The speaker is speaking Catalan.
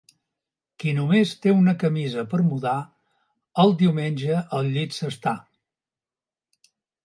Qui només té una camisa per mudar, el diumenge al llit s'està.